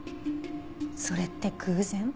それって偶然？